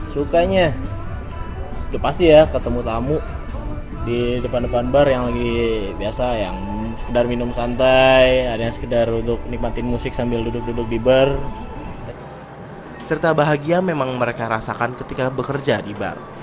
cerita bahagia memang mereka rasakan ketika bekerja di bar